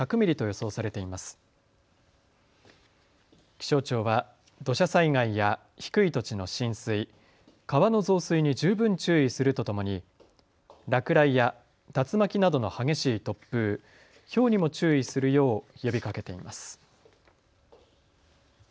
気象庁は土砂災害や低い土地の浸水、川の増水に十分注意するとともに落雷や竜巻などの激しい突風、ひょうにも注意するよう呼びかけています。